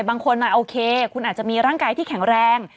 บางคนโอเคคุณอาจจะมีร่างกายที่แข็งแรง